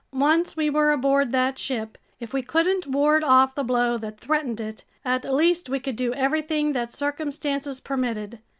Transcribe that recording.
Once we were aboard that ship, if we couldn't ward off the blow that threatened it, at least we could do everything that circumstances permitted.